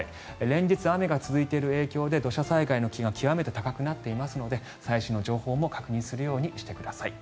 連日、雨が続いている影響で土砂災害の危険が極めて高くなっていますので最新の情報も確認するようにしてください。